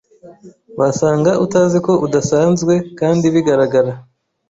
Wasanga utaziko udasanzwe kandi bigaragara